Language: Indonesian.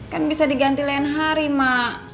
kan bisa diganti lain hari mak